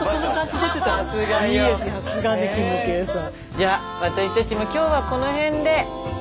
じゃ私たちも今日はこの辺で。